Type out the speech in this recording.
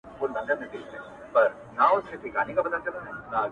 گراني زر واره درتا ځار سمه زه.